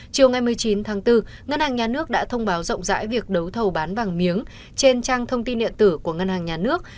chiều ngày một mươi chín tháng bốn ngân hàng nhà nước đã thông báo rộng rãi việc đấu thầu bán vàng miếng trên trang thông tin điện tử của ngân hàng nhà nước